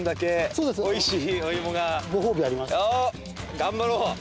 頑張ろう！